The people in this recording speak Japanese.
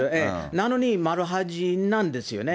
なのにまるはじなんですよね。